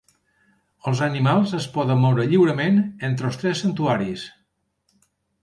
Els animals es poden moure lliurement entre els tres santuaris.